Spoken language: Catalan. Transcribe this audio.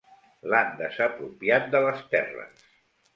L'han desapropiat de les terres.